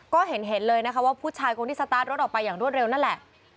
ก็เห็นเลยนะคะว่าผู้ชายคนที่สตาร์ทรถออกไปอย่างรวดเร็วนั่นแหละ